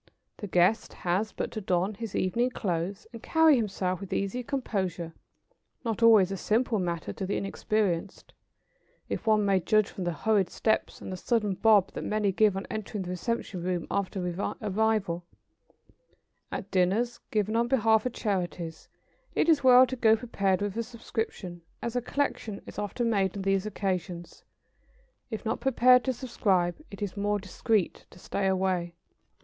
The guest has but to don his evening clothes and carry himself with easy composure, not always quite a simple matter to the inexperienced, if one may judge from the hurried steps and the sudden bob that many give on entering the reception room after arrival." [Sidenote: Dinners for charities.] At dinners given on behalf of charities, it is well to go prepared with a subscription, as a collection is often made on these occasions. If not prepared to subscribe, it is more discreet to stay away.